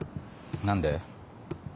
何で？